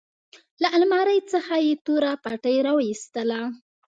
له المارۍ څخه يې توره پټۍ راوايستله.